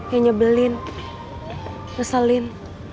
yang nyebelin neselin